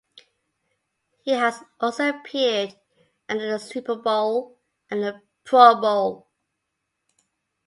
He has also appeared at the Super Bowl and the Pro Bowl.